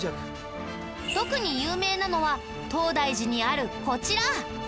特に有名なのは東大寺にあるこちら！